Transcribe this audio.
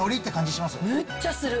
めっちゃする。